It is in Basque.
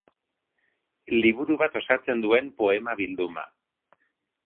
Liburu bat osatzen duen poema bilduma.